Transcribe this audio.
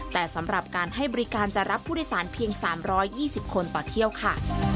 แต่สำหรับการให้บริการจะรับผู้โดยศาลเพียงสามร้อยยี่สิบคนผ่าเที่ยวค่ะ